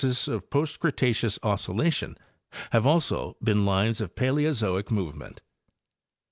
axes of post Cretaceous oscillation have also been lines of Paleo zoic movement.